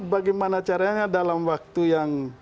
bagaimana caranya dalam waktu yang